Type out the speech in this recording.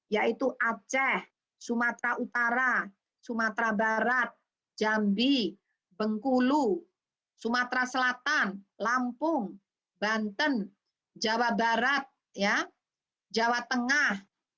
yaitu aceh sumatera utara sumatera barat jambi bengkulu sumatera selatan lampung banten jawa barat jawa tengah